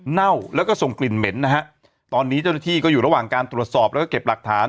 เน่าแล้วก็ส่งกลิ่นเหม็นนะฮะตอนนี้เจ้าหน้าที่ก็อยู่ระหว่างการตรวจสอบแล้วก็เก็บหลักฐาน